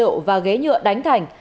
đem rượu và ghế nhựa đánh thành